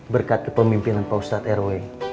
berkat kepemimpinan pak ustadz rw